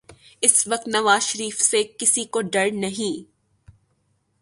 اس وقت نواز شریف سے کسی کو ڈر نہیں۔